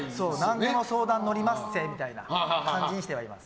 何でも相談乗りまっせみたいな感じにしてはいます。